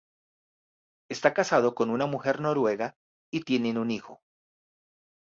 Esta casado con una mujer noruega y tienen un hijo.